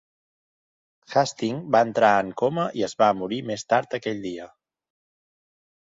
Husting va entrar en coma i es va morir més tard aquell dia.